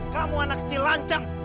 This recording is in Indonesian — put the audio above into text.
kamu anak kecil lancang